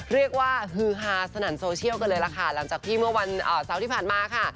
เรียกว่าฮืหาสนันโซเชียลกันเลยหรือเปล่าหลังจากที่เมื่อวันเที่ยวที่ผ่านมาค่ะ